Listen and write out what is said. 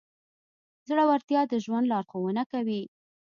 زړهورتیا د ژوند لارښوونه کوي.